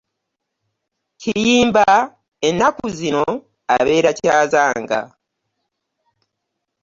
Kiyimba ennaku zino abeera Kyazanga.